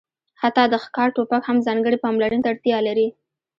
حتی د ښکار ټوپک هم ځانګړې پاملرنې ته اړتیا لري